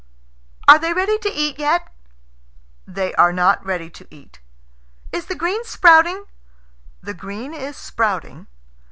"Are they ready to eat yet?" "They are not ready to eat." "Is the green sprouting?" "The green is sprouting."